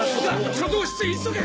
・・貯蔵室へ急げ！